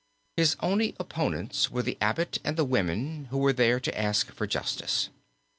His only opponents were the abbot and the women, who were there to ask for justice.